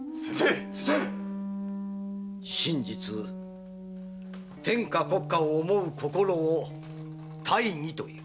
真実天下国家を思う心を“大儀”という。